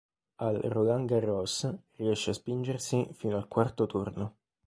Al Roland Garros riesce a spingersi fino al quarto turno.